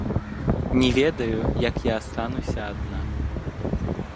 Не ведаю, як я астануся адна.